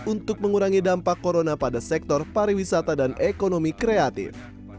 untuk mengurangi dampak corona pada sektor pariwisata dan ekonomi kreatif